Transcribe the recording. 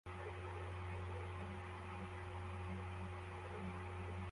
Umwana utagira ishati arimo gukina na ballon yijimye kumuhanda